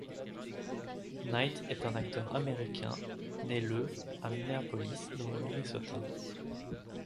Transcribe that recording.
Knight, est un acteur américain, né le à Minneapolis, dans le Minnesota.